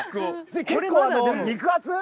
結構肉厚？